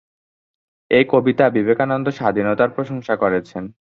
এই কবিতায় বিবেকানন্দ স্বাধীনতার প্রশংসা করেছেন।